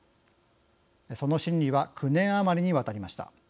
その審理は９年余りにわたりました。